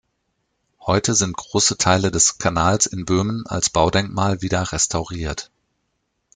Heute sind große Teile des Kanals in Böhmen als Baudenkmal wieder restauriert.